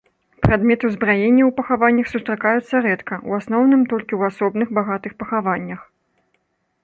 Прадметы ўзбраення ў пахаваннях сустракаюцца рэдка, у асноўным толькі ў асобных багатых пахаваннях.